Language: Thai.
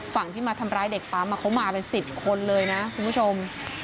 ฝั่งที่มาทำร้ายเด็กปั๊มเขามาเป็น๑๐คนเลยนะคุณผู้ชม